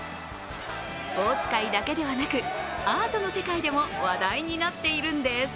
スポーツ界だけではなくアートの世界でも話題になっているんです。